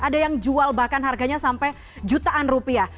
ada yang jual bahkan harganya sampai jutaan rupiah